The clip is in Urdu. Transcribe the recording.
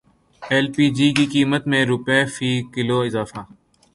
ایل پی جی کی قیمت میں روپے فی کلو اضافہ